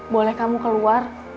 boleh kamu keluar